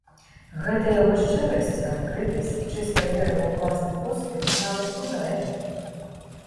Гэтая яго шчырасць, адкрытасць і чыстая вера ва ўласны поспех нават пужае.